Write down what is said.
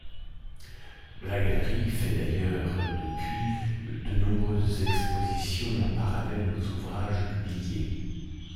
La galerie fait d'ailleurs depuis de nombreuses expositions en parallèle aux ouvrages publiés.